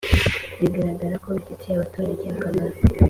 bigaragara ko bifitiye abaturage akamaro